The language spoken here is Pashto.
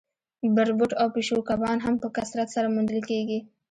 بربوټ او پیشو کبان هم په کثرت سره موندل کیږي